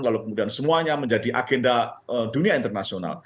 lalu kemudian semuanya menjadi agenda dunia internasional